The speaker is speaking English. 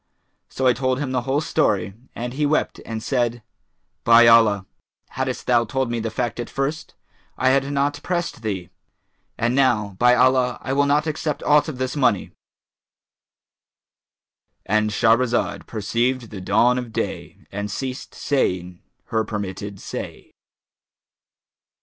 So I told him the whole story, and he wept and said, 'By Allah, haddest thou told me the fact at first, I had not pressed thee!; and now, by Allah, I will not accept aught of this money'"—And Shahrazad perceived the dawn of day and ceased saying her permitted say.